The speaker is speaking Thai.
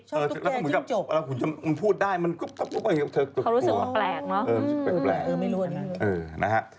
ชอบตุ๊กแกกินจบแล้วหุ่นยนต์พูดได้มันกุ๊บเขารู้สึกว่าแปลกเนอะ